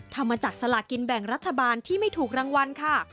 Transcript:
ทำมาจากสลากินแบ่งรัฐบาลที่ไม่ถูกรางวัลค่ะ